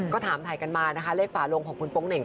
ก็ถามถ่ายกันมานะคะเลขฝาลงของคุณโป๊งเหน่ง